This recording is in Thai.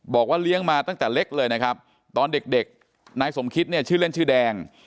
บอกว่าเลี้ยงมาตั้งแต่เล็กเลยนะครับตอนเด็กนายสมคิดเนี่ยชื่อเล่นชื่อแดง